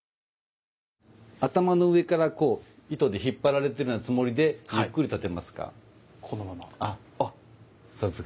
頭の上からこう糸で引っ張られているようなつもりでゆっくり立てますか。